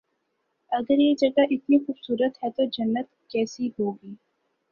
اگر یہ جگہ اتنی خوب صورت ہے تو جنت کیسی ہو گی